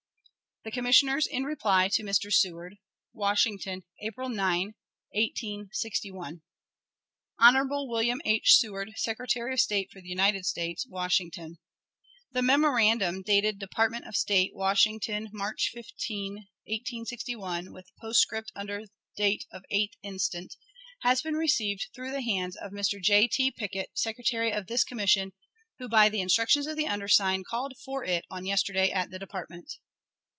The Commissioners in reply to Mr. Seward. Washington, April 9, 1861. Hon. William H. Seward, Secretary of State for the United States, Washington: The "memorandum" dated Department of State, Washington, March 15, 1861, with postscript under date of 8th instant, has been received through the hands of Mr. J. T. Pickett, secretary of this commission, who, by the instructions of the undersigned, called for it on yesterday at the department.